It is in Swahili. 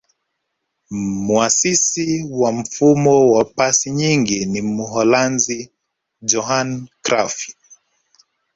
muasisi wa mfumo wa pasi nyingi ni mholanzi johan crufy